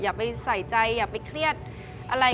อย่าไปใส่ใจอย่าไปเครียดอะไร